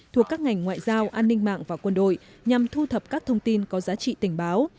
thuộc các ngành ngoại giao an ninh mạng và quân đội nhằm thu thập các thông tin có giá trị tình báo